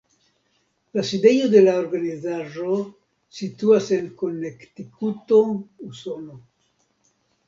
La sidejo de la organizaĵo situas en Konektikuto, Usono.